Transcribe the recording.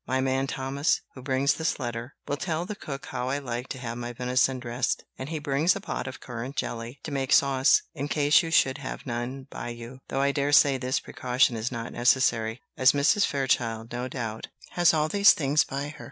My man Thomas, who brings this letter, will tell the cook how I like to have my venison dressed; and he brings a pot of currant jelly, to make sauce, in case you should have none by you; though I dare say this precaution is not necessary, as Mrs. Fairchild, no doubt, has all these things by her.